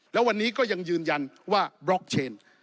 แล้ววันนี้ก็ยังยืนยันว่าบล็อกเชน